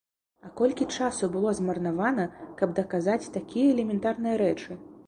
А колькі часу было змарнавана, каб даказаць такія элементарныя рэчы!